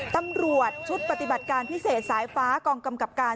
ตำรวจชุดปฏิบัติการพิเศษสายฟ้ากองกำกับการ